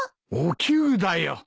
おきゅうだよ。